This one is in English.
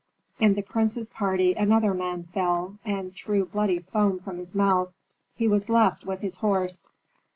In the prince's party another man fell, and threw bloody foam from his mouth. He was left, with his horse.